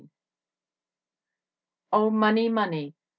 Oh, Money! Money!